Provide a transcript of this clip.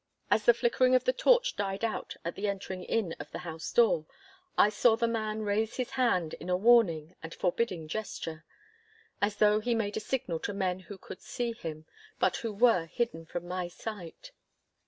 As the flickering of the torch died out at the entering in of the house door, I saw the man raise his hand in a warning and forbidding gesture, as though he made a signal to men who could see him, but who were hidden from my sight.